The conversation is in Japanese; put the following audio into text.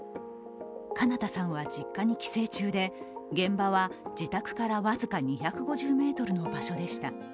翔向さんは実家に帰省中で現場は自宅から僅か２５０ｍの場所でした。